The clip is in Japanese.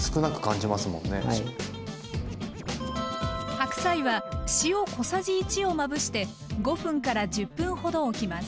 白菜は塩小さじ１をまぶして５分１０分ほどおきます。